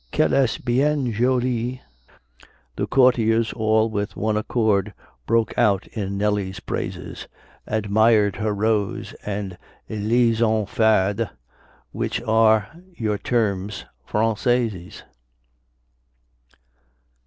qu'elle est bien jolie! The courtiers all with one accord, Broke out in Nelly's praises: Admir'd her rose, and lis sans farde, Which are your terms Francaises.